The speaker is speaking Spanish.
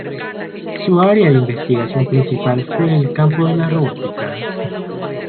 Su área de investigación principal fue en el campo de la robótica.